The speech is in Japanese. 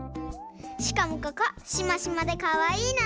しかもここシマシマでかわいいなあ！